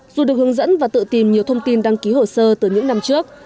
dù được hướng dẫn và tự tìm nhiều thông tin đăng ký hồ sơ từ những năm trước